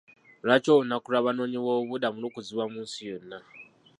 Lwaki olunaku lw'abanoonyi b'obubuddamu lukuzibwa mu nsi yonna.